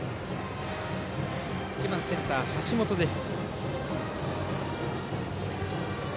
１番センター、橋本です。